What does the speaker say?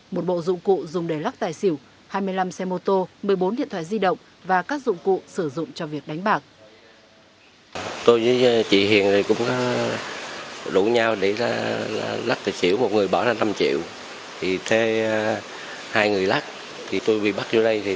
một bộ dụng cụ dùng để lắc tài xỉu hai mươi năm xe mô tô một mươi bốn điện thoại di động và các dụng cụ sử dụng cho việc đánh bạc